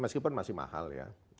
meskipun masih mahal ya